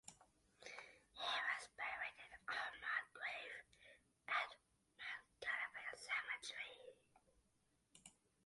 He was buried in an unmarked grave at Mount Calvary Cemetery.